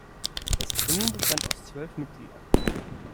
Das Gremium bestand aus zwölf Mitgliedern.